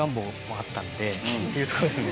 っていうとこですね。